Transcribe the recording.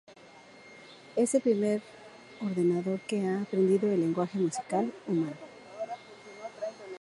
Es el primer ordenador que ha aprendido el lenguaje musical humano.